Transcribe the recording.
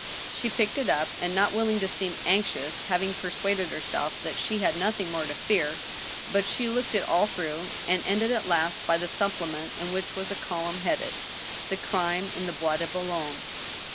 She picked it up, and not willing to seem anxious^ having persuaded herself that she had nothing more to fear, but she looked it all through, and jended at last by the supplement in which was a column headed " The Crime in the Bois de Boulogne."